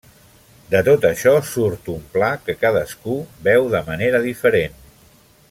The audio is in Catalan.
De tot això surt un pla que cadascú veu de manera diferent.